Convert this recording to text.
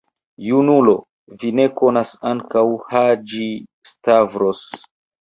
Junulo, vi ne konas ankoraŭ Haĝi-Stavros.